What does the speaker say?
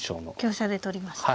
香車で取りました。